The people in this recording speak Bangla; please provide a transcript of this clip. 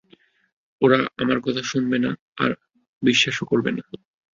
ওরা আমার কথা শুনবে না আর বিশ্বাসও করবে না।